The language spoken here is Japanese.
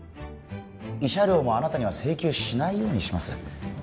慰謝料もあなたには請求しないようにします